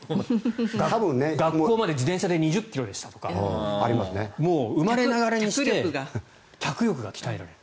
学校まで自転車で２０ｋｍでしたとか生まれながらにして脚力が鍛えられている。